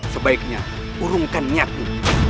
sebaiknya urungkan niatmu